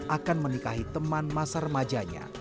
akan menikahi teman masar majanya